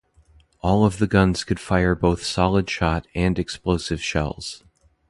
All of the guns could fire both solid shot and explosive shells.